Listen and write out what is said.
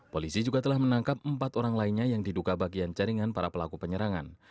polisi juga telah menangkap empat orang lainnya yang diduga bagian jaringan para pelaku penyerangan